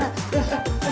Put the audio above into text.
eh pak arun